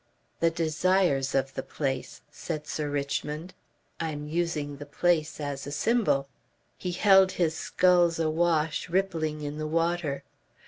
"The desires of the place," said Sir Richmond. "I'm using the place as a symbol." He held his sculls awash, rippling in the water.